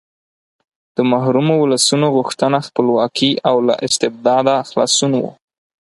د محرومو ولسونو غوښتنه خپلواکي او له استبداده خلاصون و.